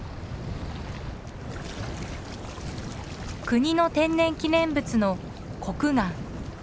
国の天然記念物のコクガン。